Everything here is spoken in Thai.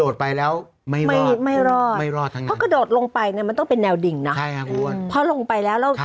ใช่๑๐ชั่วโมงครับ